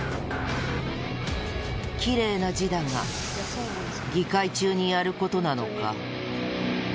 きれいな字だが議会中にやることなのか？